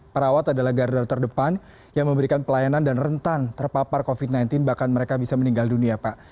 perawat adalah garda terdepan yang memberikan pelayanan dan rentan terpapar covid sembilan belas bahkan mereka bisa meninggal dunia pak